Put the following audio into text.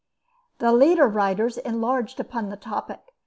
The leader writers enlarged upon the topic.